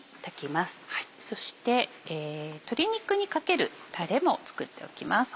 そして鶏肉にかけるタレも作っておきます。